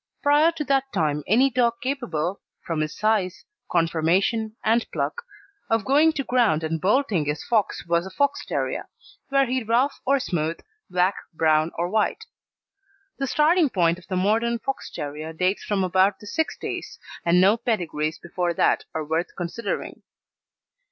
Prior to that time any dog capable, from his size, conformation, and pluck, of going to ground and bolting his fox was a Fox terrier, were he rough or smooth, black, brown, or white. The starting point of the modern Fox terrier dates from about the 'sixties, and no pedigrees before that are worth considering.